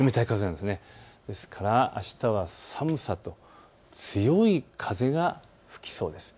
ですからあしたは寒さと強い風が吹きそうです。